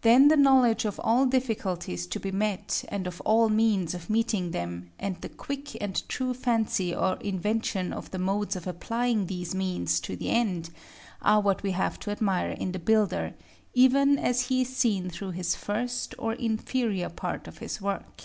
Then the knowledge of all difficulties to be met, and of all means of meeting them, and the quick and true fancy or invention of the modes of applying the means to the end, are what we have to admire in the builder, even as he is seen through this first or inferior part of his work.